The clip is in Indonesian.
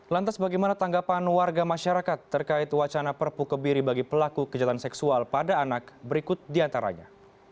lantas bagaimana tanggapan warga masyarakat terkait wacana perpu kebiri bagi pelaku kejahatan seksual pada anak berikut diantaranya